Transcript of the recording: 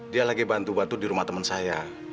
dia lagi bantu bantu di rumah teman saya